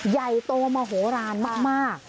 ใหญ่โตมโหลานมาก